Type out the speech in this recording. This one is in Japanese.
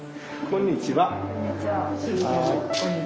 こんにちは。